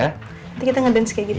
nanti kita ngedance kayak gini